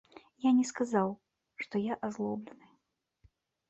Я не сказаў, што я азлоблены.